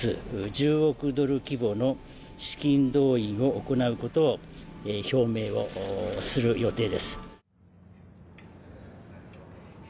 １０億ドル規模の資金動員を行うことを表明をする予定です。